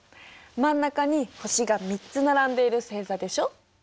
真ん中に星が３つ並んでいる星座でしょ。